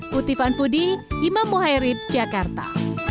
puti fun foodie imam muhairid jakarta